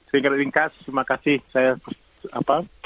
sehingga ringkas terima kasih saya apa